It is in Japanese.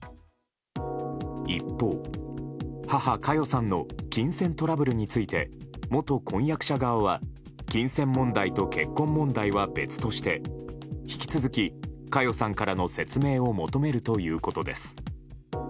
一方、母・佳代さんの金銭トラブルについて元婚約者側は金銭問題と結婚問題は別として引き続き、佳代さんからの説明を求めるということです。